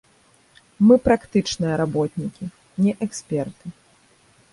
Мы практычныя работнікі, не эксперты.